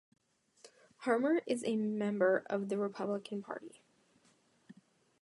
Harmer is a member of the Republican Party.